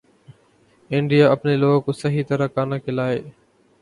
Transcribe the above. India اپنے لوگوں کو صحیح طرح کھانا کھلائے